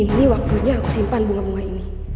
ini waktunya aku simpan bunga bunga ini